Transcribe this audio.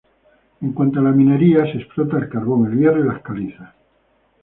En cuanto a la minería, se explota el carbón, el hierro y las calizas.